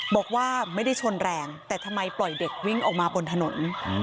บอกว่าไม่ได้ชนแรงแต่ทำไมปล่อยเด็กวิ่งออกมาบนถนน